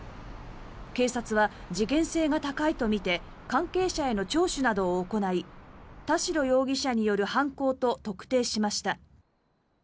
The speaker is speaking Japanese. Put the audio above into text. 警察は、事件性が高いとみて関係者への聴取などを行い田代容疑者による犯行と特定しました。